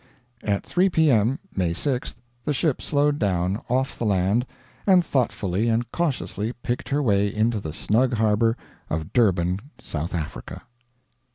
At 3 P.M., May 6th, the ship slowed down, off the land, and thoughtfully and cautiously picked her way into the snug harbor of Durban, South Africa.